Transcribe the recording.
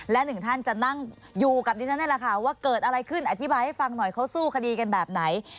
และหนึ่งท่านจะนั่งอยู่กับดิฉันนี่แหละค่ะว่าเกิดอะไรขึ้นอธิบายให้ฟังหน่อยเขาสู้คดีกันแบบไหน